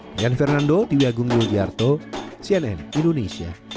dian fernando tiwi agung yogyarto cnn indonesia